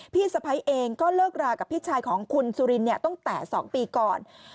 พี่สะพ้ายเองก็เลิกรากับพี่ชายของคุณสุรินเนี่ยตั้งแต่๒ปีก่อน